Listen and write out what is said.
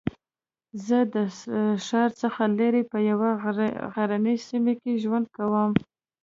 زه د ښار څخه لرې په یوه غرنۍ سېمه کې ژوند کوم